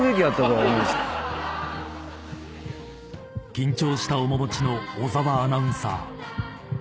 ［緊張した面持ちの小澤アナウンサー］